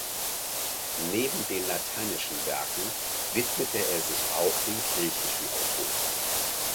Neben den lateinischen Werken widmete er sich auch den griechischen Autoren.